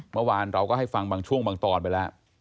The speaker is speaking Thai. เมื่อวานเราก็ให้ฟังบางช่วงบางตอนไปแล้ว